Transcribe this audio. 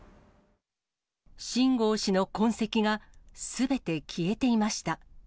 秦剛氏の痕跡がすべて消えていました。